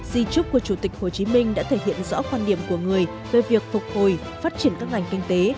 di trúc của chủ tịch hồ chí minh đã thể hiện rõ quan điểm của người về việc phục hồi phát triển các ngành kinh tế